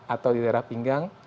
atau di daerah pinggang